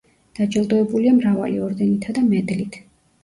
დაჯილდოებულია მრავალი ორდენითა და მედლით.